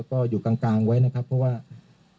ส่วนบุคคลที่จะถูกดำเนินคดีมีกี่คนและจะมีพี่เต้ด้วยหรือเปล่า